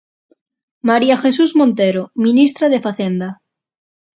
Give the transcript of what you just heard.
María Jesús Montero, Ministra de Facenda.